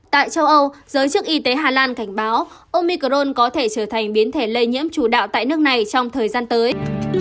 tại châu âu giới chức y tế hà lan cảnh báo omicron có thể trở thành biến thể lây nhiễm chủ đạo tại nước này trong thời gian tới